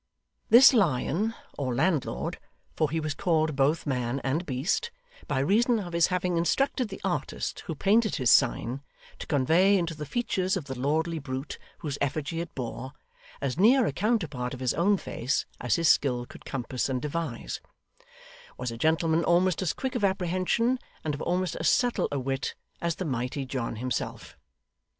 This Lion or landlord, for he was called both man and beast, by reason of his having instructed the artist who painted his sign, to convey into the features of the lordly brute whose effigy it bore, as near a counterpart of his own face as his skill could compass and devise, was a gentleman almost as quick of apprehension, and of almost as subtle a wit, as the mighty John himself.